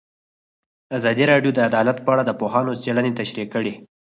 ازادي راډیو د عدالت په اړه د پوهانو څېړنې تشریح کړې.